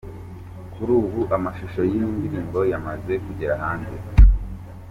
Kuri ubu amashusho y’iyi ndirimbo, yamaze kugera hanze.